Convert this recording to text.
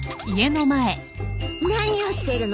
何をしてるの？